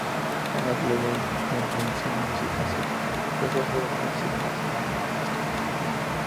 En la actualidad, el gentilicio "circasiano" se reserva para la Circasia histórica.